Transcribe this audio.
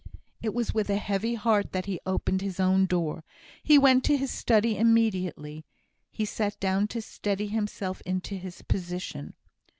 It was with a heavy heart that he opened his own door. He went to his study immediately; he sat down to steady himself into his position.